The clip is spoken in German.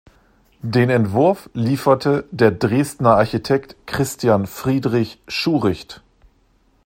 Den Entwurf lieferte der Dresdner Architekt Christian Friedrich Schuricht.